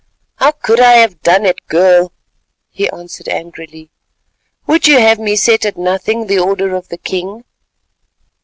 "How could I have done it, girl?" he asked angrily. "Would you have me set at nothing the order of the king?"